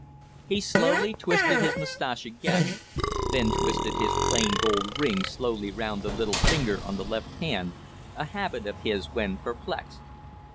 He slowly twisted his moustache again; then twisted his plain gold ring slowly round the little finger on the left hand a habit of his when perplexed.